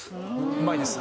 うまいです。